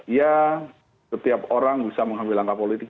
ya setiap orang bisa mengambil langkah politik